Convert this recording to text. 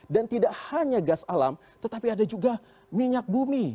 dan tidak hanya gas alam tetapi ada juga minyak bumi